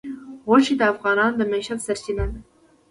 غوښې د افغانانو د معیشت سرچینه ده.